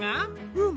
うん。